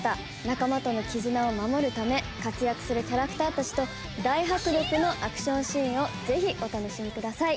仲間との絆を守るため活躍するキャラクターたちと大迫力のアクションシーンをぜひお楽しみください。